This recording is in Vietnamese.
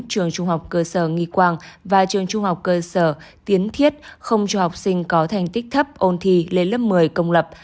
trường trung học cơ sở nghi quang và trường trung học cơ sở tiến thiết không cho học sinh có thành tích thấp ôn thi lên lớp một mươi công lập